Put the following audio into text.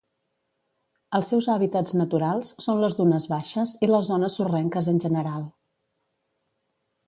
Els seus hàbitats naturals són les dunes baixes i les zones sorrenques en general.